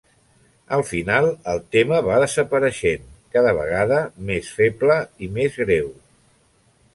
Al final, el tema va desapareixent, cada vegada més feble i més greu.